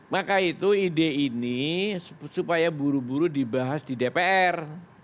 maka itu ide ini supaya buru buru dibahas di dpr